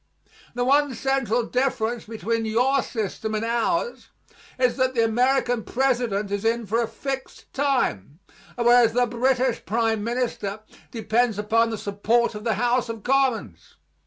The one central difference between your system and ours is that the American president is in for a fixed time, whereas the British prime minister depends upon the support of the House of Commons.